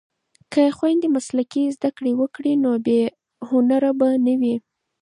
که خویندې مسلکي زده کړې وکړي نو بې هنره به نه وي.